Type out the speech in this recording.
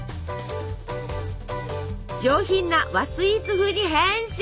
上品な和スイーツ風に変身！